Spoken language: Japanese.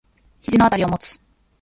肘のあたりを持つ。